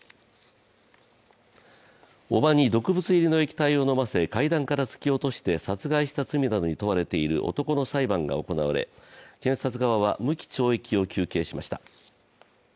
おばに毒物入りの液体を飲ませ階段から突き落として殺害した罪などに問われている男の裁判が行われ、検察側は無期懲役を求刑しました。